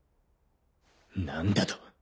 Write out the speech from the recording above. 何だと？